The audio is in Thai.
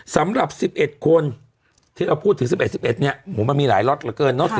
สำหรับ๑๑คนที่เราพูดถึง๑๑๑๑เนี่ยโหมันมีหลายล็อตเหลือเกินเนอะ